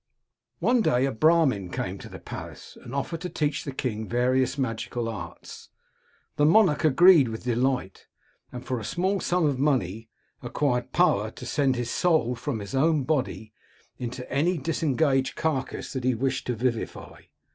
" One day a Brahmin came to the palace, and offered to teach the king various magical arts. The monarch agreed with delight, and for a small sum of money acquired power to send his soul from his own body into any disengaged carcass that he wished to vivify.